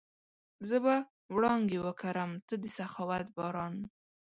زه به وړانګې وکرم، ته د سخاوت باران